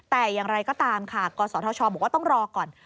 แต่อย่างไรก็ตามค่ะกศธชบอกว่าต้องรอก่อน